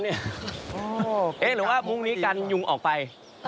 หรือว่าพรุ่งนี้การยุงออกไป